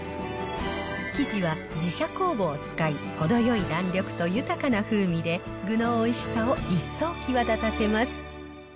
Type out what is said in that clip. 生地は自社酵母を使い、程よい弾力と豊かな風味で、具のおいしさを一層際立たせます。